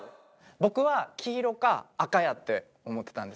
僕は黄色か赤やって思ってたんですよ。